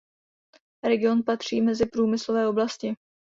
Region patří mezi průmyslové oblasti.